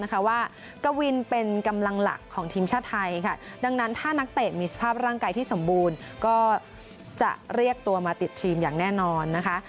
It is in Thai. ว่ากวินเป็นกำลังหลักของทีมชาติไทยค่ะดังนั้นถ้านักเตะมีสภาพร่างกายที่สมบูรณ์ก็จะเรียกตัวมาติดทีมอย่างแน่นอนนะคะ